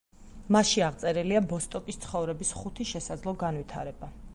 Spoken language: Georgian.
მასში აღწერილია ბოსტოკის ცხოვრების ხუთი შესაძლო განვითარება.